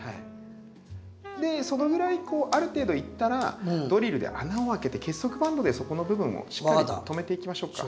でそのぐらいある程度いったらドリルで穴を開けて結束バンドでそこの部分をしっかり留めていきましょうか。